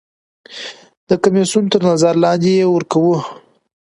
د کمیسیون تر نظر لاندې یې ورکوو.